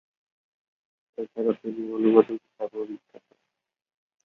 এছাড়া তিনি অনুবাদক হিসেবেও বিখ্যাত।